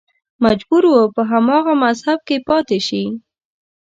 مجبور و په هماغه مذهب کې پاتې شي